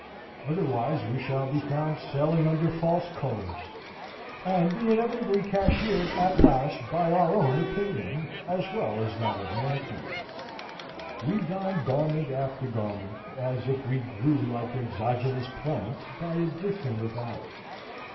Otherwise we shall be found sailing under false colors, and be inevitably cashiered at last by our own opinion, as well as that of mankind. We don garment after garment, as if we grew like exogenous plants by addition without.